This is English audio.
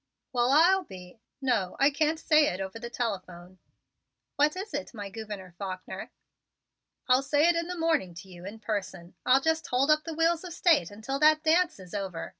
"Well I'll be no, I can't say it over the telephone." "What is it, my Gouverneur Faulkner?" "I'll say it in the morning to you in person. I'll just hold up the wheels of state until that dance is over.